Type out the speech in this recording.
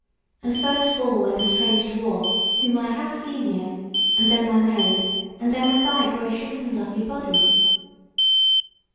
And first of all went a strange dwarf, whom I have seen here, and then thy Maid; and then went thy gracious and lovely body."